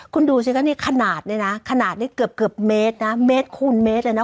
คุณดูสิคะนี่ขนาดเนี่ยนะขนาดนี้เกือบเมตรนะเมตรคูณเมตรเลยนะ